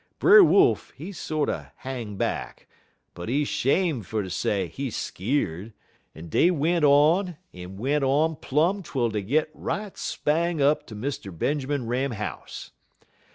Brer Wolf, he sorter hang back, but he 'shame' fer ter say he skeer'd, en dey went on en went on plum twel dey git right spang up ter Mr. Benjermun Ram house.